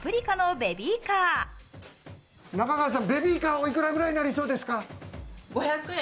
ベビーカー、お幾らぐらいになりそうですか？